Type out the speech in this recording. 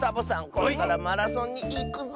これからマラソンにいくぞ！